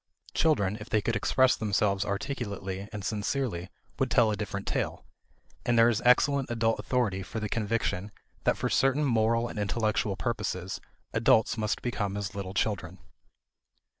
Children, if they could express themselves articulately and sincerely, would tell a different tale; and there is excellent adult authority for the conviction that for certain moral and intellectual purposes adults must become as little children.